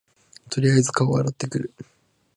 とりあえず顔洗ってくる